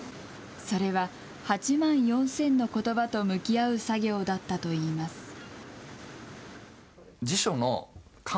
それは８万４０００のことばと向き合う作業だったといいます。